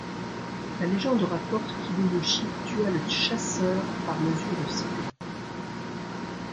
La légende rapporte qu'Hideyoshi tua le chasseur par mesure de sécurité.